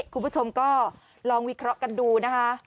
คุณผู้ชมก็ลองวิเคราะห์กันดูนะคะ